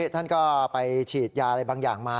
ท่านก็ไปฉีดยาอะไรบางอย่างมา